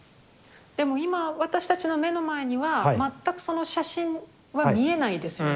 でも今私たちの目の前には全くその写真は見えないですよね